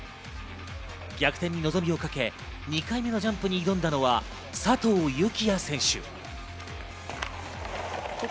逆転に望みをかけ、２回目のジャンプに挑んだのは佐藤幸椰選手。